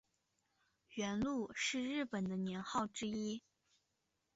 元禄是日本的年号之一。